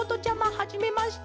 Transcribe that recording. はじめまして。